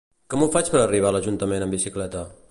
Com ho faig per arribar a l'Ajuntament amb bicicleta?